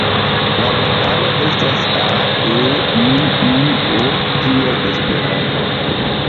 La vokaloj estas a,e,i,u,o kiel Esperanto.